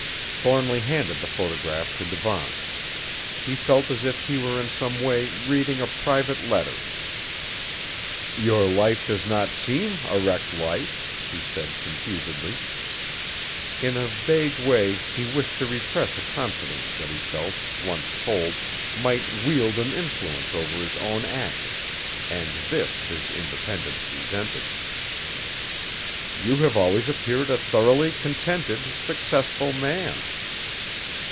Thornly handed the photograph to Devant. He felt as if he were in some way reading a private letter. "Your life does not seem a wrecked life," he said confusedly. In a vague way he wished to repress a confidence that he felt, once told, might wield an influence over his own acts, and this his independence resented. "You have always appeared a thoroughly contented, successful man."